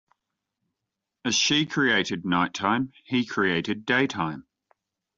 As she created nighttime, he created daytime.